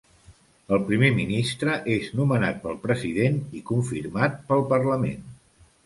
El Primer Ministre és nomenat pel president i confirmat pel parlament.